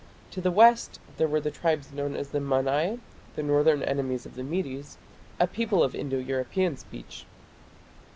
To the west were the tribes known as the Mannai, the northern enemies of the Medes, a people of Indo European speech.